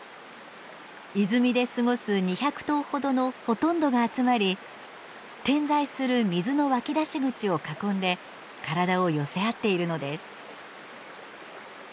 泉で過ごす２００頭ほどのほとんどが集まり点在する水の湧き出し口を囲んで体を寄せ合っているのです。